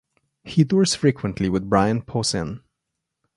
He tours frequently with Brian Posehn.